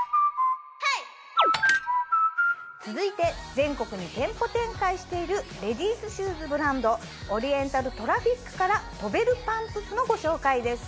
続いて全国に店舗展開しているレディースシューズブランドオリエンタルトラフィックから跳べるパンプスのご紹介です。